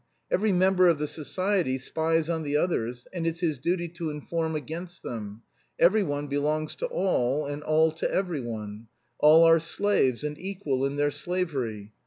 Every member of the society spies on the others, and it's his duty to inform against them. Every one belongs to all and all to every one. All are slaves and equal in their slavery.